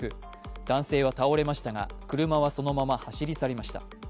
男性は倒れましたが、車はそのまま走り去りました。